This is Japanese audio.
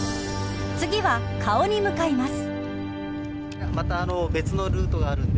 次は顔に向かいます。